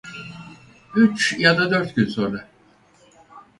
Üç ya da dört gün sonra.